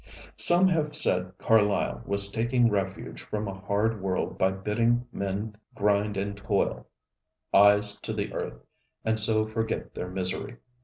ŌĆØ Some have said Carlyle was taking refuge from a hard world by bidding men grind and toil, eyes to the earth, and so forget their misery.